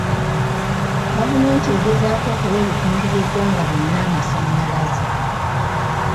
Gavumenti egezaako okuwa ebitundu by'eggwanga byonna amasannyalaze.